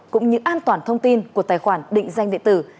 cũng như an toàn thông tin của tài khoản định danh điện tử